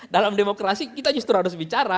dalam demokrasi kita justru harus bicara